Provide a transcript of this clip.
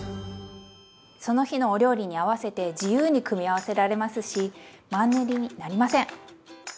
その日のお料理に合わせて自由に組み合わせられますしマンネリになりません！